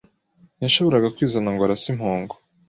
Ntiyashoboraga kwizana ngo arase impongo.